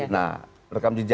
nah rekam jejak ya